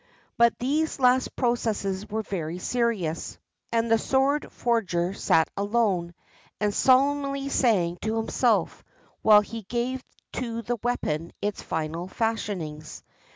But these last processes were very serious, and the sword forger sat alone, and solemnly sang to himself while he gave to the weapon its final fashionings.